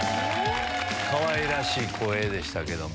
かわいらしい声でしたけども。